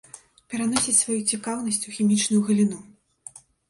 Пераносіць сваю цікаўнасць у хімічную галіну.